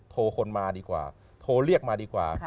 โทรคนมาดีกว่าโทรเรียกมาดีกว่า